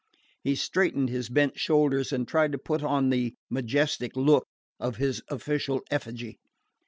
He straightened his bent shoulders and tried to put on the majestic look of his official effigy.